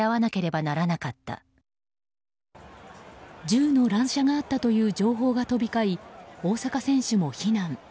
銃の乱射があったという情報が飛び交い大坂選手も避難。